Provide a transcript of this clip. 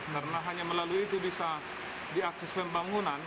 karena hanya melalui itu bisa diakses pembangunan